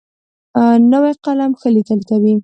نوی قلم ښه لیکل کوي